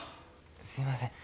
すいません。